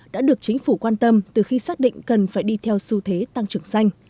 đã được chính phủ quan tâm từ khi xác định cần phải đi theo xu thế tăng trưởng xanh